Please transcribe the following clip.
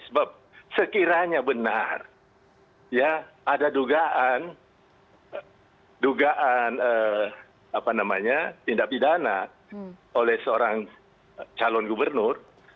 sebab sekiranya benar ya ada dugaan dugaan tindak pidana oleh seorang calon gubernur